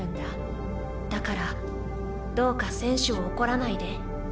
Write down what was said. だからどうか選手を怒らないで。